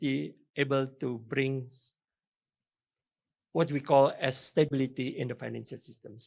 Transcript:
bisa membawa kegiatan yang kita sebut sebagai stabilitas dalam sistem kewangan